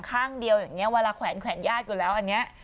อย่างข้างเดียวอย่างเนี้ยเวลาแขวนแขวนญาติอยู่แล้วอันเนี้ย